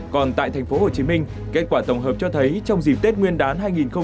còn tại thành phố hồ chí minh kết quả tổng hợp cho thấy trong dịp tết nguyên đán hai nghìn hai mươi ba